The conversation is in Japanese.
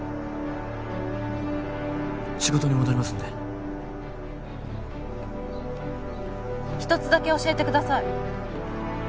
仕事に戻りますんで一つだけ教えてください